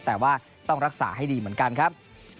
แต่ว่าต้องรักษาให้ดีเหมือนกันครับ